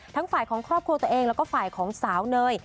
ฝ่ายของครอบครัวตัวเองแล้วก็ฝ่ายของสาวเนย